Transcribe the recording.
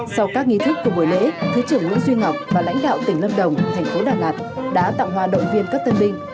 sau các nghi thức của buổi lễ thứ trưởng nguyễn duy ngọc và lãnh đạo tỉnh lâm đồng thành phố đà lạt đã tặng hoa động viên các tân binh